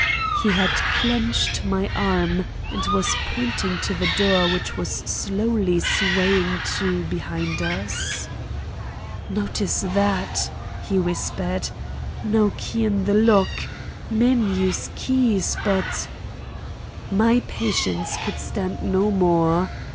He had clenched my arm and was pointing to the door which was slowly swaying to behind us. "Notice that," he whispered. "No key in the lock! Men use keys but—" My patience could stand no more.